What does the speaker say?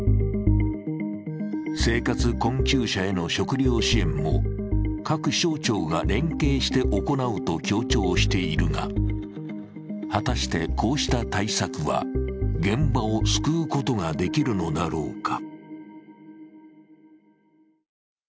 生活困窮者への食料支援も各省庁が連携して行うと強調しているが、果たしてこうした対策は現場を救うことができるのだろうか。